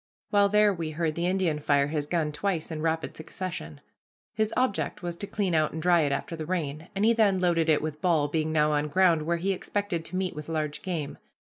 While there we heard the Indian fire his gun twice in rapid succession. His object was to clean out and dry it after the rain, and he then loaded it with ball, being now on ground where he expected to meet with large game.